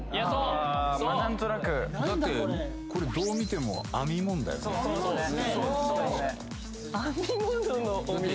何となくだってこれどう見ても編み物のお店？